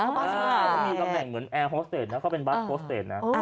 มีกำแหน่งเหมือนแอร์โฮสเตจแล้วก็เป็นบัสโฮสเตจนะ